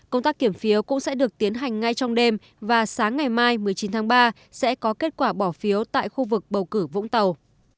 công tác kiểm phiếu cũng sẽ được tiến hành ngay trong đêm và sáng ngày mai một mươi chín tháng ba sẽ có kết quả bỏ phiếu tại khu vực bầu cử vũng tàu